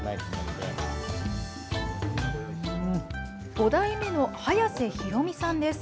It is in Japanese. ５代目の早瀬広海さんです。